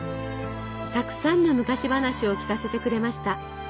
たくさんの昔話を聞かせてくれました。